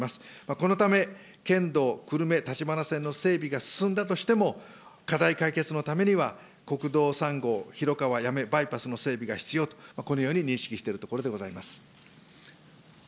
このため、県道久留米立花線の整備が進んだとしても、課題解決のためには国道３号広川八女バイパスの整備が必要と、このように認識しているところでございます。